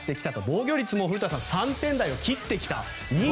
防御率も、古田さん３点台を切ってきた。